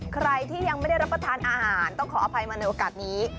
ใครที่ยังไม่ได้รับประทานอาหารต้องขออภัยมาในโอกาสนี้